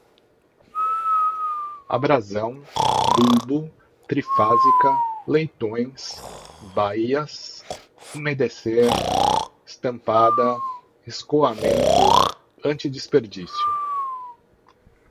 abrasão, bulbo, trifásica, leitões, baias, umedecer, estampada, escoamento, antidesperdício